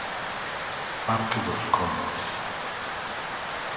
Parque dos Condes.